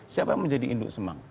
siapa yang menjadi induk semang